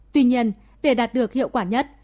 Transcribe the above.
tuy nhiên để đạt được hiệu quả nhất